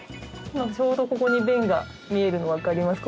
・ちょうどここに弁が見えるの分かりますか？